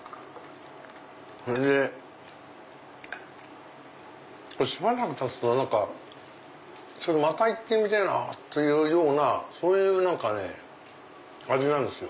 それでしばらくたつとまた行ってみてぇなというようなそういう味なんですよ。